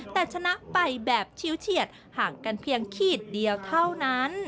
แต่ชนะไปแบบชิวเฉียดห่างกันเพียงขีดเดียวเท่านั้น